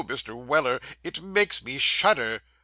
Mr. Weller, it makes me shudder.